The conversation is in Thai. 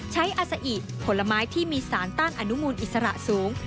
ใช้อาสไอผลไม้ที่มีสารต้านอนุมูลอิสระสูง